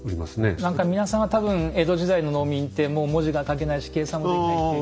何か皆さんは多分江戸時代の農民ってもう文字が書けないし計算もできないっていう。